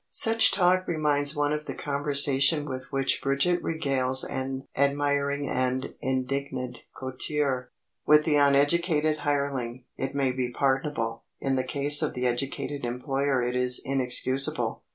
Such talk reminds one of the conversation with which Bridget regales an admiring and indignant coterie. With the uneducated hireling, it may be pardonable; in the case of the educated employer it is inexcusable.